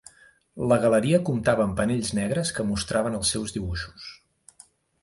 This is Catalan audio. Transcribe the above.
La galeria comptava amb panells negres que mostraven els seus dibuixos.